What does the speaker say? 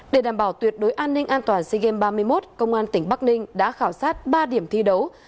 để đảm bảo tuyệt đối an ninh an toàn sea games ba mươi một công an tỉnh bắc ninh đã khảo sát ba điểm thi đấu